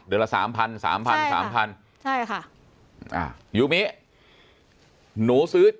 ละสามพันสามพันสามพันใช่ค่ะอ่ายูมิหนูซื้อ